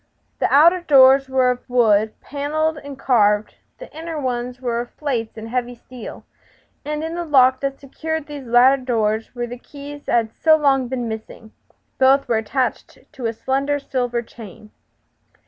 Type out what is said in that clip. The outer doors were of wood, panelled and carved; the inner ones were plates of heavy steel, and in the lock that secured these latter doors were the keys that had so long been missing. Both were attached to a slender silver chain.